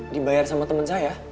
dibayar sama temen saya